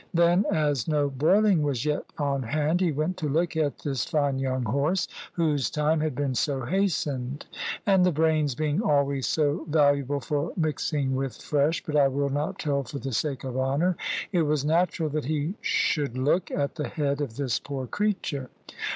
Then, as no boiling was yet on hand, he went to look at this fine young horse, whose time had been so hastened. And the brains being always so valuable for mixing with fresh but I will not tell for the sake of honour it was natural that he should look at the head of this poor creature.